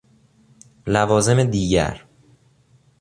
لوازم دیگر: